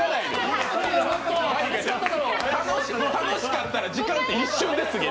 楽しかったら時間って一瞬ですよ。